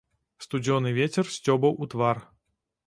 Студзёны вецер сцёбаў у твар.